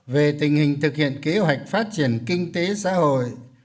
về tình hình thực hiện kế hoạch phát triển kinh tế xã hội